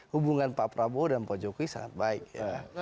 hubungan pak prabowo dan pak jokowi sangat baik ya